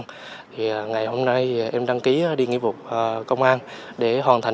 thì ngày hôm nay em đăng ký đi nghĩa vụ công an